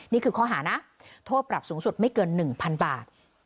นี่คือข้อหานะโทษปรับสูงสุดไม่เกิน๑๐๐๐บาท